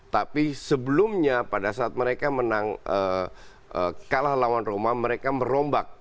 tapi sebelumnya pada saat mereka menang kalah lawan roma mereka merombak